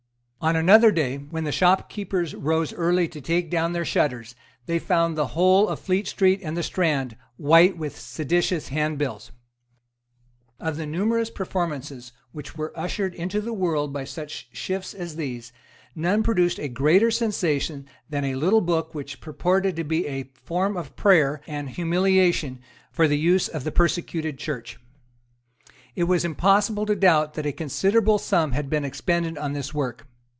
On another day, when the shopkeepers rose early to take down their shutters, they found the whole of Fleet Street and the Strand white with seditious handbills, Of the numerous performances which were ushered into the world by such shifts as these, none produced a greater sensation than a little book which purported to be a form of prayer and humiliation for the use of the persecuted Church. It was impossible to doubt that a considerable sum had been expended on this work.